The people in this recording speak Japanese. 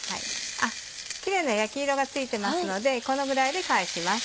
キレイな焼き色がついてますのでこのぐらいで返します。